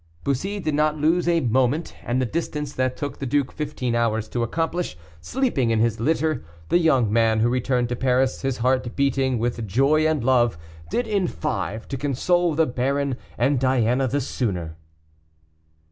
Bussy did not lose a moment, and the distance that took the duke fifteen hours to accomplish, sleeping in his litter, the young man, who returned to Paris, his heart beating with joy and love, did in five, to console the baron and Diana the sooner.